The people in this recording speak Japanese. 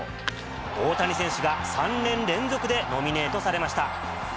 大谷選手が３年連続でノミネートされました。